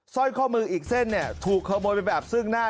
สร้อยข้อมืออีกเส้นเนี่ยถูกขโมยไปแบบซึ่งหน้า